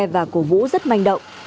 và cổ vũ rất manh động